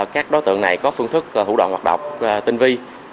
các đối tượng này có phương thức hữu đoạn hoạt động tinh vi